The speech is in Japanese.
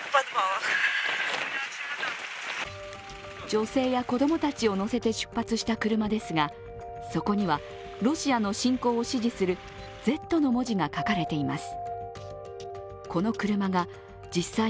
女性や子供たちを乗せて出発した車ですが、そこにはロシアの侵攻を支持する「Ｚ」の文字が書かれています。